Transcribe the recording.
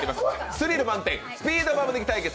スリル満点スピードババ抜き対決。